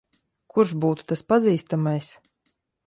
Kurš būtu tas pazīstamais?